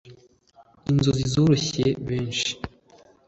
inzozi zaroshye benshi,